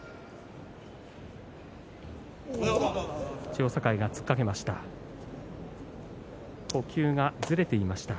千代栄、突っかけました。